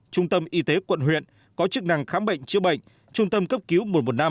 trung tâm y tế quận huyện có chức năng khám bệnh chữa bệnh trung tâm cấp cứu một trăm một mươi năm